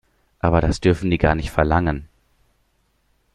Aber das dürfen die gar nicht verlangen.